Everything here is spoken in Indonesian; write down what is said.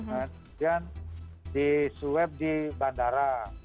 kemudian disuap di bandara